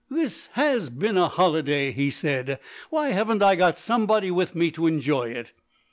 "This has been a holiday!" he said. "Why haven't I got somebody with me to enjoy it?"